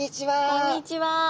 こんにちは。